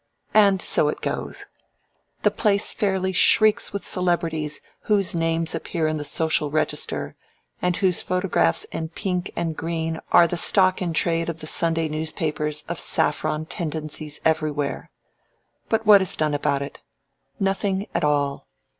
And so it goes. The place fairly shrieks with celebrities whose names appear in the Social Register, and whose photographs in pink and green are the stock in trade of the Sunday newspapers of saffron tendencies everywhere but what is done about it? Nothing at all.